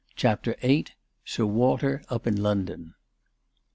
CHAPTER YIII. SIR WALTER UP IN LONDON.